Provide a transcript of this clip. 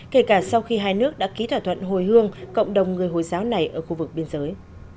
kể cả sau khi hai nước đã ký thỏa thuận hồi hương cộng đồng người hồi giáo này ở khu vực biên giới